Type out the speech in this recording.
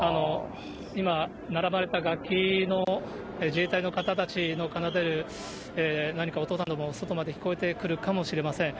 今、並ばれた楽器の自衛隊の方たちの奏でる、何か音なども外まで聞こえてくるかもしれません。